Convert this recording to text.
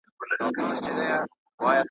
بیا به بهار وي جهان به ګل وي .